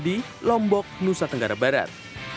di lombok nusa tenggara barat